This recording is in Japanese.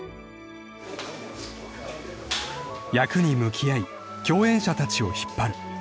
［役に向き合い共演者たちを引っ張る］